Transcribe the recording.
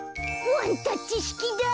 ワンタッチしきだ！